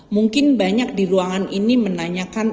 mungkin banyak di ruangan ini menanyakan